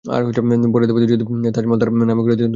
পরের দাবিতে যদি বলে তাজমহল তার নামে করে দিতে তখন?